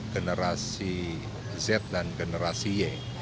generasi z dan generasi y